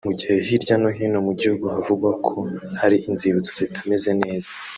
Mu gihe hirya no hino mu gihugu havugwa ko hari inzibutso zitameze neza